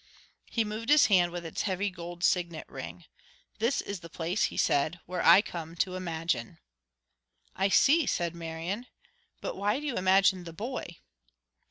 He moved his hand, with its heavy gold signet ring. "This is the place," he said, "where I come to imagine." "I see," said Marian. "But why do you imagine the boy?"